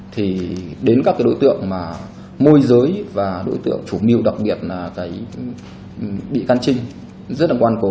thì đến các đối tượng môi giới và đối tượng chủ mưu đặc biệt là bị can trinh rất là quan cố